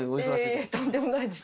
とんでもないです。